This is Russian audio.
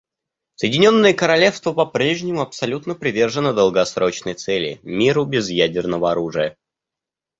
Соединенное Королевство по-прежнему абсолютно привержено долгосрочной цели − миру без ядерного оружия.